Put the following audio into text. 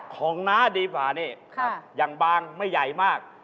น้าดีกว่านี่อย่างบางไม่ใหญ่มาก